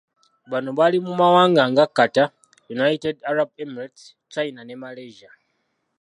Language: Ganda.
Bano bali mu mawanga nga Qatar, United Arab Emirates, China ne Malaysia.